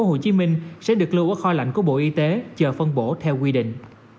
thành phố hồ chí minh sẽ được lưu ở kho lạnh của bộ y tế chờ phân bổ theo quy định